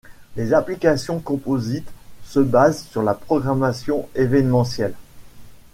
Les applications composites se basent sur la programmation évènementielle.